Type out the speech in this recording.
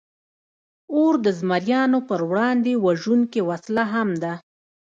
اور د زمریانو پر وړاندې وژونکې وسله هم ده.